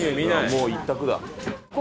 もう１択だ。